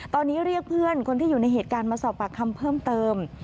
ตอนนี้เรียกเพื่อนคนที่อยู่ในเหตุการณ์มาสอบปากคำเพิ่มเติม